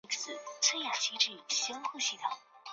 巴丹蜗为南亚蜗牛科班卡拉蜗牛属下的一个种。